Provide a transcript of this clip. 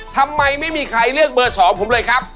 ทำไมไม่มีใครเลือกเบอร์๒ผมเลยครับ